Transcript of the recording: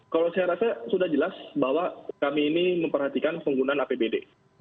kalau saya rasa sudah jelas bahwa kami ini memperhatikan penggunaan apbd